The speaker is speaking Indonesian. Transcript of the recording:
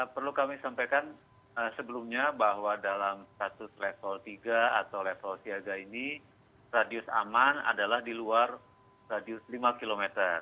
perlu kami sampaikan sebelumnya bahwa dalam status level tiga atau level siaga ini radius aman adalah di luar radius lima km